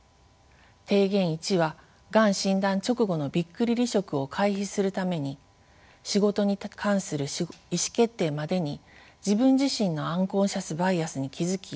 提言１はがん診断直後のびっくり離職を回避するために仕事に関する意思決定までに自分自身のアンコンシャスバイアスに気付き